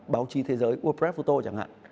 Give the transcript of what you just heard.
báo chí thế giới wordpress photo chẳng hạn